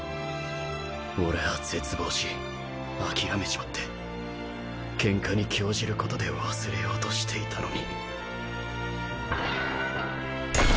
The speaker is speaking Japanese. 俺は絶望し諦めちまってケンカに興じることで忘れようとしていたのに